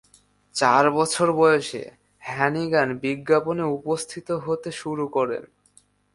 চার বছর বয়সে, হ্যানিগান বিজ্ঞাপনে উপস্থিত হতে শুরু করেন।